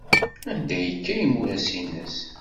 Anda ay yekka imuras-nnes?